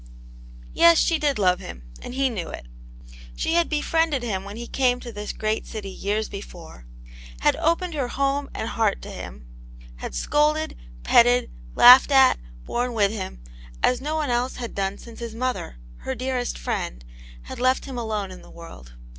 Yes, she did love him, and he knew it. She had befriended him when he came to this great city years before ; had opened her home and heart to him ; had scolded, petted* laughed at, borne with him as no one else had done since his mother, her dearest friend, had left him alone in the world.